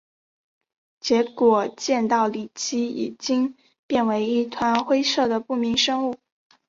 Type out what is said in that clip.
结果见到李奇已经变为一团灰色的不明生物。